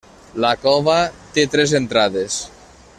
La cova té tres entrades.